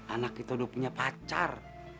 anak kita udah punya pacar